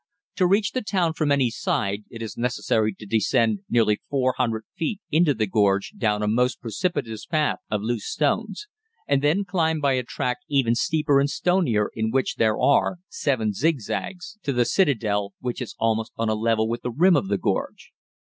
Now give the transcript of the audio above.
To reach the town from any side it is necessary to descend nearly 400 feet into the gorge down a most precipitous path of loose stones, and then climb by a track even steeper and stonier in which there are seven zigzags to the citadel, which is almost on a level with the rim of the gorge.